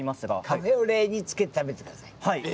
カフェオレにつけて食べてください。